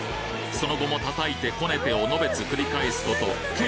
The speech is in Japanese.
その後も叩いてこねてをのべつ繰り返すこと計